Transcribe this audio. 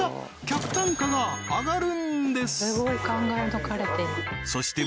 客単価が上がるんですそして